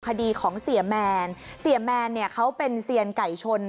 คดีของเสียแมนเสียแมนเนี่ยเขาเป็นเซียนไก่ชน